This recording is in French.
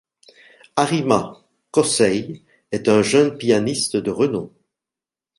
Arima Kōsei est un jeune pianiste de renom.